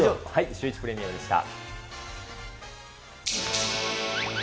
シューイチプレミアムでした。